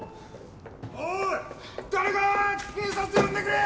おい誰か警察呼んでくれ！